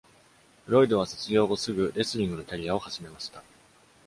ロイドは卒業後すぐ、レスリングのキャリアを始めました。